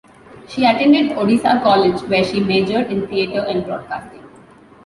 She attended Odessa College where she majored in theater and broadcasting.